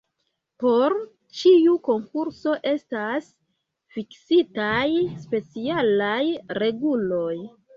Por ĉiu konkurso estas fiksitaj specialaj reguloj.